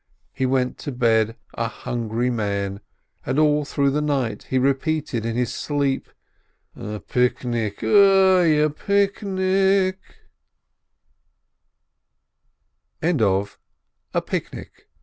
He went to bed a hungry man, and all through the night he repeated in his sleep : "A picnic, oi, a picnic!"